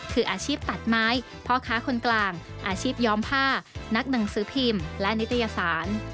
คืออาชีพตัดไม้พ่อค้าคนกลางอาชีพย้อมผ้านักหนังสือพิมพ์และนิตยสาร